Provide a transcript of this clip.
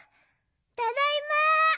ただいま。